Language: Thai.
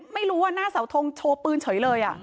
ไม่รู้ว่าหน้าเสาทงโชว์ปืนเฉยเลย